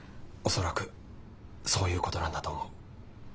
恐らくそういうことなんだと思う。